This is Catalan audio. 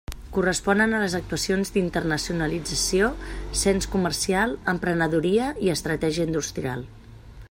Corresponen a les actuacions d'internacionalització, cens comercial, emprenedoria i estratègia industrial.